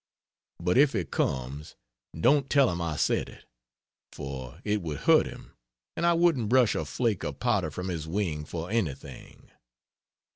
(But if he comes, don't tell him I said it, for it would hurt him and I wouldn't brush a flake of powder from his wing for anything.